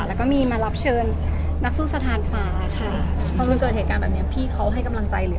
แล้วก็มีมารับเชิญนักสู้สถานฟ้าค่ะ